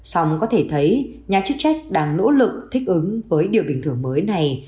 song có thể thấy nhà chức trách đang nỗ lực thích ứng với điều bình thường mới này